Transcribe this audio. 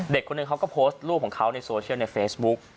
คนหนึ่งเขาก็โพสต์รูปของเขาในโซเชียลในเฟซบุ๊ก